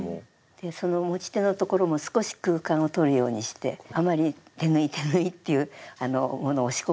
でその持ち手のところも少し空間をとるようにしてあまり手縫い手縫いっていうものを仕込まないで。